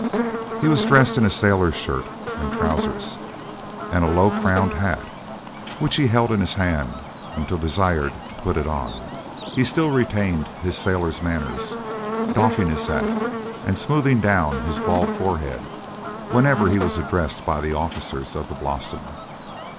He was dressed in a sailor's shirt and trousers, and a low crowned hat, which he held in his hand until desired to put it on. He still retained his sailor's manners, doffing his hat and smoothing down his bald forehead whenever he was addressed by the officers of the Blossom.